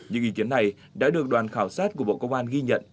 những ý kiến này đã được đoàn khảo sát của bộ công an ghi nhận